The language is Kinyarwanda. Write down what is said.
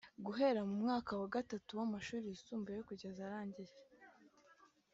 Guhera mu mwaka wa gatatu w’amashuri yisumbuye kugeza arangije